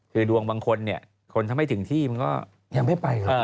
คือดวงบางคนเนี่ยคนถ้าไม่ถึงที่มันก็